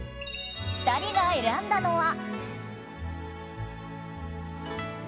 ２人が選んだのは。